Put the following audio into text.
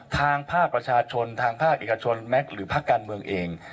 ทางภาคประชาชนทางภาคเอกชนแม็กซ์หรือภาคการเมืองเอง